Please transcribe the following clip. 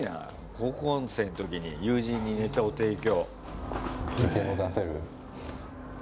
高校生の時に友人にネタを提供。